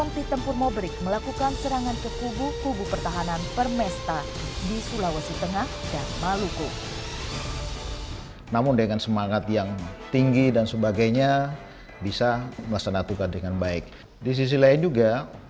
tempat berlindung di hari tua